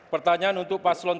pertanyaan untuk paslon tiga